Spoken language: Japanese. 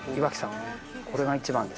これが一番ですね。